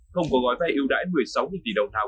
không có gói vai yêu đáy một mươi sáu tỷ đồng thảo